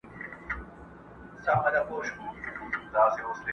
د هندوستان و لور ته مه ځه!.